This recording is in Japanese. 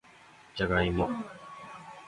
じゃがいも